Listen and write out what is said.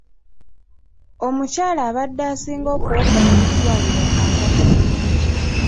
Omukyala abadde asinga okuwoggana mu ddwaliro azadde bulungi.